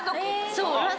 そう。